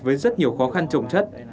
với rất nhiều khó khăn trồng chất